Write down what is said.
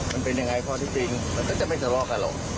มันเป็นอย่างไรพอที่จริงมันก็จะไม่สะลอกกันหรอก